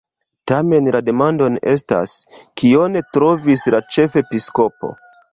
Tamen la demando estas: kion trovis la ĉefepiskopo?”